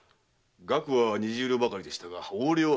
額は二十両ばかりでしたが横領は横領。